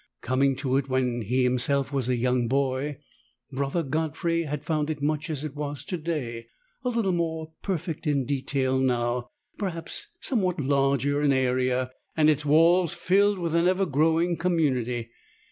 Coming to it when he was himself a young boy. Brother Godfrey had found it much as it was to day : a little more perfect in detail now, perhaps, somewhat larger in area, and its walls filled with an ever growing community.